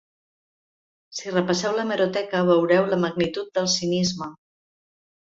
Si repasseu l’hemeroteca, veureu la magnitud del cinisme.